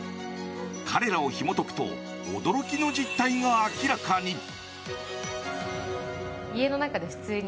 彼らをひも解くと驚きの実態が明らかに。